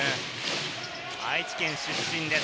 愛知県出身です。